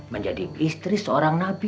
menjadi istri seorang nabi